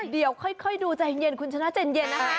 เดี๋ยวค่อยดูใจเย็นคุณชนะใจเย็นนะคะ